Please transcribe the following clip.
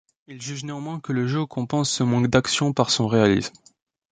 Il juge néanmoins que le jeu compense ce manque d'action par son réalisme.